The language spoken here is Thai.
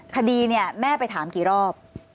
คดีเนี่ยแม่ไปถามกี่รอบ